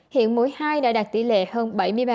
hiện mỗi hai đã đạt tỷ lệ hơn bảy mươi ba